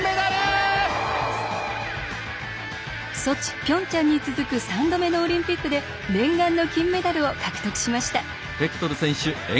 ソチ、ピョンチャンに続く３度目のオリンピックで念願の金メダルを獲得しました。